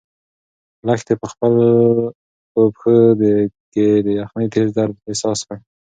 لښتې په خپلو پښو کې د یخنۍ تېز درد احساس کړ.